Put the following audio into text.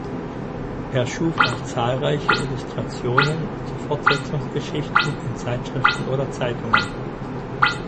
Er schuf auch zahlreiche Illustrationen zu Fortsetzungsgeschichten in Zeitschriften oder Zeitungen.